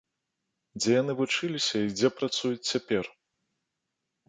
Дзе яны вучыліся і дзе працуюць цяпер?